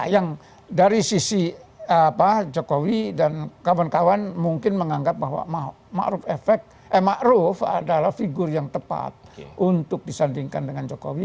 yang dari sisi jokowi dan kawan kawan mungkin menganggap bahwa ⁇ maruf ⁇ adalah figur yang tepat untuk disandingkan dengan jokowi